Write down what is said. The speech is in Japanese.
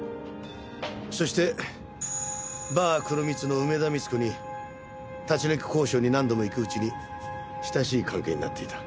そしてバー黒蜜の梅田三津子に立ち退き交渉に何度も行くうちに親しい関係になっていた。